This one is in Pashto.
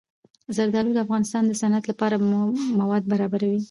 زردالو د افغانستان د صنعت لپاره مواد برابروي.